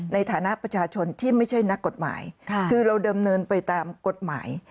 ในฐานะประชาชนที่ไม่ใช่นักกฎหมายคือเราดำเนินไปตามกฎหมาย